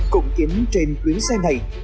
cũng chính trên chuyến xe này